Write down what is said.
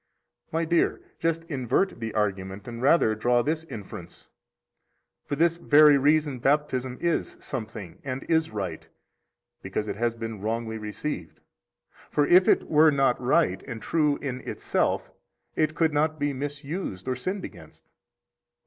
59 My dear, just invert the argument and rather draw this inference: For this very reason Baptism is something and is right, because it has been wrongly received. For if it were not right and true in itself, it could not be misused nor sinned against.